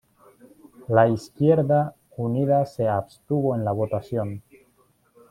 La Izquierda Unida se abstuvo en la votación.